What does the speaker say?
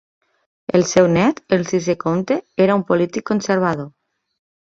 El seu nét, el sisè comte, era un polític conservador.